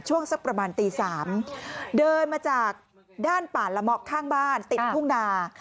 สักประมาณตี๓เดินมาจากด้านป่าละเมาะข้างบ้านติดทุ่งนา